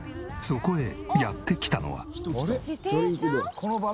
そこへやって来たのは。